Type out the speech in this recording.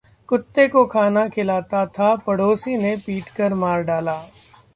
कुत्ते को खाना खिलाता था, पड़ोसी ने पीटकर मार डाला